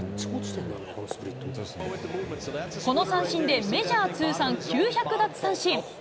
この三振で、メジャー通算９００奪三振。